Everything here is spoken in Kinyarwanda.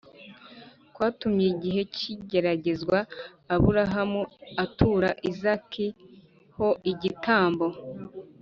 kwatumye igihe cy’igeragezwa abrahamu atura izaki ho igitambo